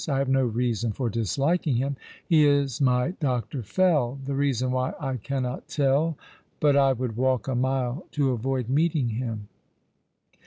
I have no reason for disliking him. He is my Dr. Fell — the reason why I cannot tell, but I would walk a mile to avoid meeting him."